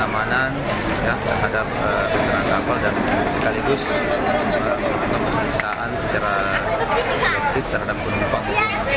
polisi kwfpn polres parepare mengasahkan pengamanan terhadap perang kapal dan sekaligus pemeriksaan secara aktif terhadap penumpang